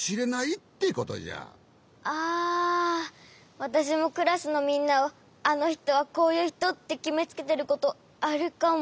わたしもクラスのみんなをあのひとはこういうひとってきめつけてることあるかも。